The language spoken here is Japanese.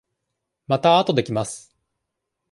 またあとで来ます。